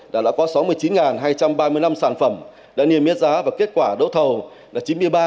là đã có sáu mươi chín hai trăm ba mươi năm sản phẩm đã niêm yết giá và kết quả đấu thầu là chín mươi ba hai trăm năm mươi ba